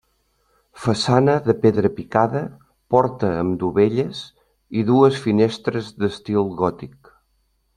Façana de pedra picada, porta amb dovelles, i dues finestres d'estil gòtic.